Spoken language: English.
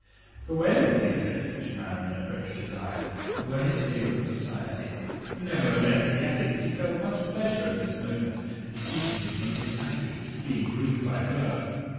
The whales, he said, which now and then approached his isle, were his favorite society. Nevertheless, he added that he felt much pleasure at this moment in speaking his native language, being Greek by birth.